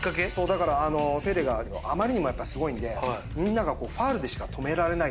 だからペレがあまりにもやっぱすごいんでみんながファウルでしか止められないと。